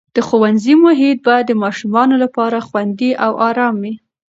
د ښوونځي محیط باید د ماشومانو لپاره خوندي او ارام وي.